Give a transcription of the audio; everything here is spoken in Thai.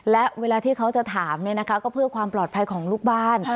และเวลาที่เขาจะถามก็เพื่อความปลอดภัยของลูกบ้าน